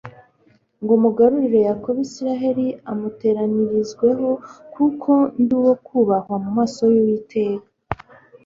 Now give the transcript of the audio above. ngo mugarurire Yakobo Isiraeli amuteranirizweho, kuko ndi uwo kubahwa mu maso y'Uwiteka.